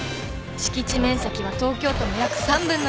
敷地面積は東京都の約３分の１。